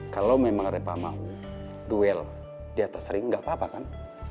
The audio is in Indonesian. kalau memang repa mau duel di atas ring nggak apa apa kan